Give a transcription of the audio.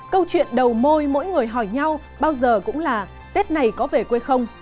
câu chuyện đầu môi mỗi người hỏi nhau bao giờ cũng là tết này có về quê không